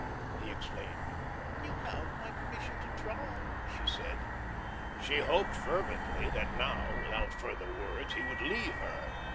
he exclaimed. "You have my permission to try," she said. She hoped fervently that now, without further words, he would leave her.